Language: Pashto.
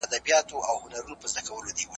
تر خپل ځان پسته لكۍ يې كړله لاندي